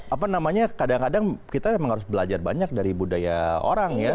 apa namanya kadang kadang kita memang harus belajar banyak dari budaya orang ya